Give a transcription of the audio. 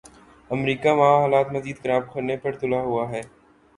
امریکہ وہاں حالات مزید خراب کرنے پہ تلا ہوا ہے۔